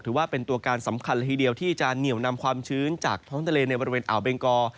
ถือว่าเป็นตัวการสำคัญละทีเดียวที่จะเหนียวนำความชื้นจากท้องทะเลในบริเวณอ่าวเบงกอ